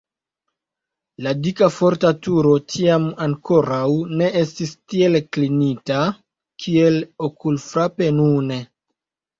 La dika forta turo tiam ankoraŭ ne estis tiel klinita, kiel okulfrape nune.